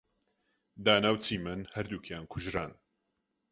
دانا و چیمەن هەردووکیان کوژران.